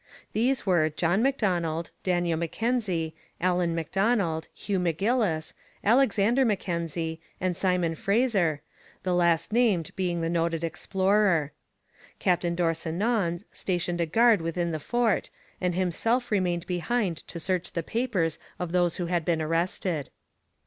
These were John M'Donald, Daniel M'Kenzie, Allan M'Donald, Hugh M'Gillis, Alexander M'Kenzie, and Simon Fraser, the last named being the noted explorer. Captain D'Orsonnens stationed a guard within the fort, and himself remained behind to search the papers of those who had been arrested.